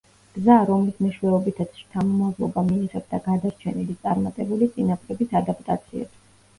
გზა, რომლის მეშვეობითაც შთამომავლობა მიიღებდა გადარჩენილი, წარმატებული წინაპრების ადაპტაციებს.